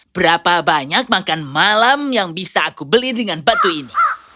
berapa banyak makan malam yang bisa aku beli dengan batu ini